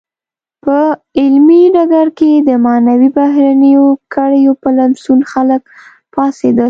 په علمي ډګر کې د معینو بهرنیو کړیو په لمسون خلک پاڅېدل.